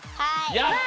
やった！